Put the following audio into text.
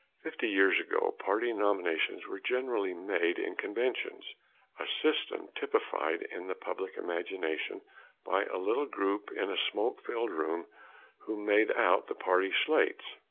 Fifty years ago party nominations were generally made in conventions a system typified in the public imagination by a little group in a smoke filled room who made out the party slates.